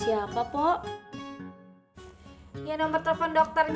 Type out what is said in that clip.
wktitutamen retirarnya nomar tel besio narin